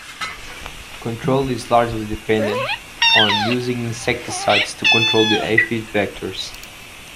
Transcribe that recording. Control is largely dependent on using insecticides to control the aphid vectors.